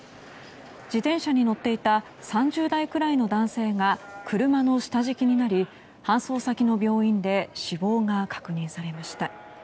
自転車に乗っていた３０代くらいの男性が車の下敷きになり搬送先の病院で死亡が確認されました。